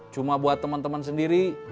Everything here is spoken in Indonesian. cuma buat teman teman sendiri